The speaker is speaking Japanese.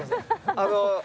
あの。